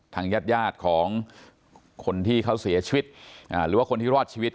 ทางญาติยาดของคนที่เขาเสียชีวิตหรือว่าคนที่รอดชีวิต